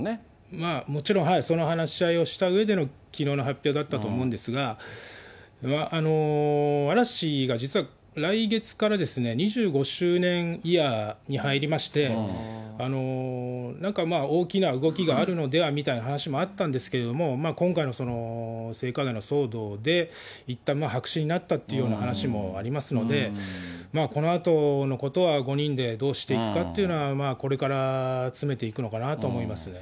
まあ、もちろんその話し合いをしたうえでのきのうの発表だったと思うんですが、嵐が実は来月から２５周年イヤーに入りまして、なんか大きな動きがあるのではみたいな話はあったんですけれども、今回の性加害の騒動で、いったん白紙になったっていうような話もありますので、このあとのことは、５人でどうしていくかっていうのは、まあこれから詰めていくのかなと思いますね。